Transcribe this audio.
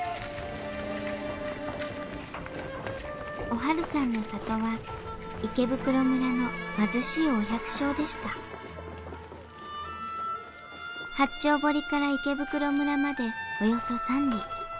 おはるさんの里は池袋村の貧しいお百姓でした八丁堀から池袋村までおよそ３里。